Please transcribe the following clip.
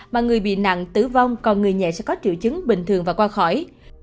mà người bị nặng tử vong còn người nhẹ sẽ có triệu chứng bình thường và qua khỏi